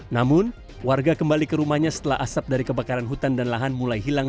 namun warga kembali ke rumahnya setelah asap dari kebakaran hutan dan lahan mulai hilang